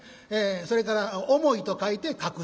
それから「重い」と書いて角重と。